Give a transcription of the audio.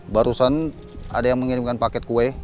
barusan ada yang mengirimkan paket kue